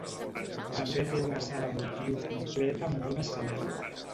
També té una sala multiús completa amb un escenari.